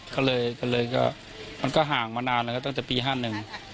ก็เลยก็เลยก็มันก็ห่างมานานแล้วก็ตั้งแต่ปีห้าหนึ่ง